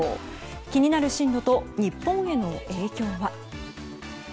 気になる進路と日本への影響は？